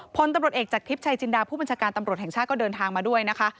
พลตำรวจเอกจากทริปชัยจินดาผู้บัญชาการตำรวจแห่งชาติก็เดินทางมาด้วยนะคะ